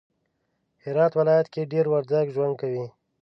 هرات ولایت کی دیر وردگ ژوند کوی